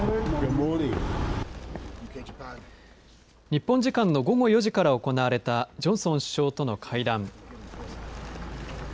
日本時間の午後４時から行われたジョンソン首相との会談。